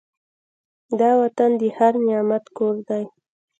دا وطن د هر نعمت کور دی.